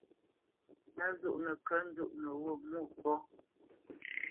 Á zoʼnə kə̂ nzóʼnə wô Mwôkɔ̌?